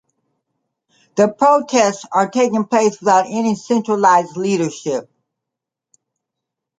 The protests are taking place without any centralized leadership.